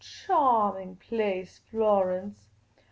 " Chawming place, Florence